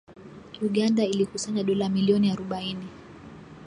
Uganda ilikusanya dola milioni arubaini